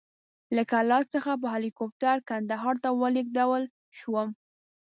له کلات څخه په هلیکوپټر کندهار ته ولېږدول شوم.